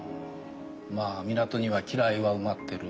まあ港には機雷は埋まってる。